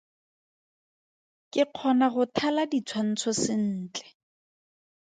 Ke kgona go thala ditshwantsho sentle.